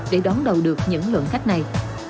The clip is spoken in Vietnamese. để đón đầu được những lượng khách này